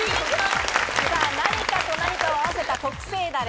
何かと何かを合わせた特製ダレ。